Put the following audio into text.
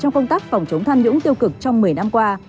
trong công tác phòng chống tham nhũng tiêu cực trong một mươi năm qua